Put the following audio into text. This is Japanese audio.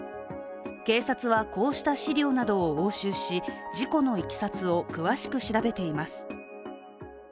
警察はこうした資料などを押収し事故のいきさつを詳しく調べています。